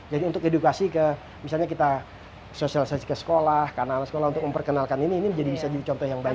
jadi untuk edukasi ke misalnya kita sosialisasi ke sekolah ke anak anak sekolah untuk memperkenalkan ini ini bisa jadi contoh yang baik